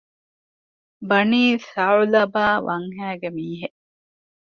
ބަނީ ޘަޢުލަބާ ވަންހައިގެ މީހެއް